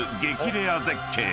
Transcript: レア絶景］